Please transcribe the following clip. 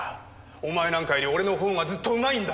お前なんかより俺の方がずっとうまいんだ！